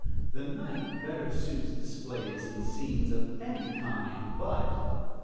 The night better suits displays and scenes of any kind: but 3.